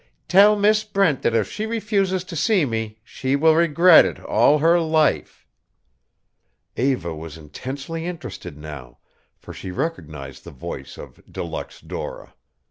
"Tell Miss Brent that if she refuses to see me she will regret it all her life." Eva was intensely interested now, for she recognized the voice of De Luxe Dora.